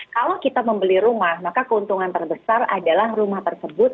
kalau kita membeli rumah maka keuntungan terbesar adalah rumah tersebut